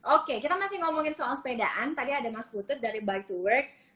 oke kita masih ngomongin soal sepedaan tadi ada mas putut dari bike to work